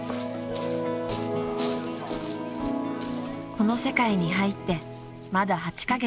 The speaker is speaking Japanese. ［この世界に入ってまだ８カ月］